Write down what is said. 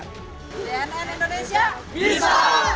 tnn indonesia bisa